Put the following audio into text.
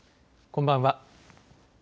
こんばんは。